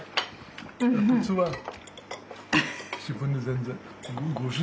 普通は自分で全然。